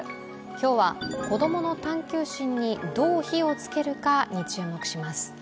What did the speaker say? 今日は、子供の探究心にどう火をつけるかに注目します。